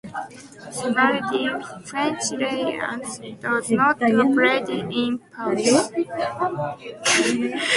Similarly, French liaison does not operate in pausa.